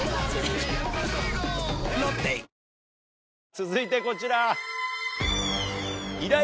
続いてこちら。